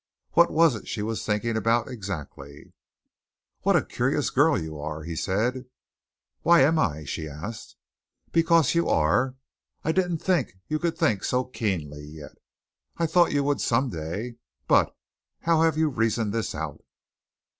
What was it she was thinking about exactly? "What a curious girl you are," he said. "Why am I?" she asked. "Because you are. I didn't think you could think so keenly yet. I thought you would some day. But, how have you reasoned this out?"